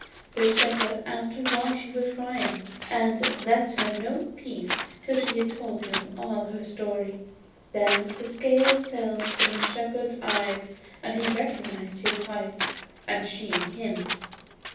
The shepherd asked her why she was crying, and left her no peace till she told him all her story. Then the scales fell from the shepherd's eyes, and he recognised his wife, and she him.